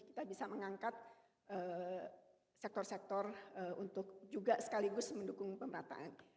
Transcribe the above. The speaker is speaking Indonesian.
kita bisa mengangkat sektor sektor untuk juga sekaligus mendukung pemerataan